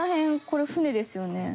これ船ですよね？